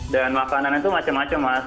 dan makanan itu macam macam mas